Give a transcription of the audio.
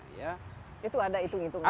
itu ada hitung hitungannya semua